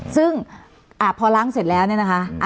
ซึ่งพอล้างเสร็จแล้วเนี่ยนะคะ